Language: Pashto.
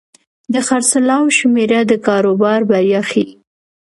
د خرڅلاو شمېره د کاروبار بریا ښيي.